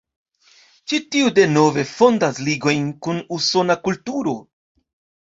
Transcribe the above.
Ĉi tiu denove fondas ligojn kun Usona kulturo.